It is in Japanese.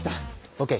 ＯＫ。